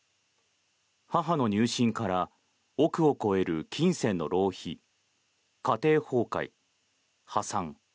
母の入信から億を超える金銭の浪費、家庭崩壊、破産。